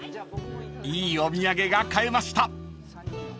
［いいお土産が買えました］